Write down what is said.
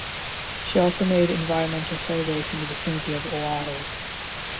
She also made environmental surveys in the vicinity of Oahu.